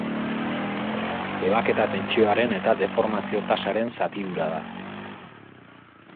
Ebaketa-tentsioaren eta deformazio-tasaren zatidura da.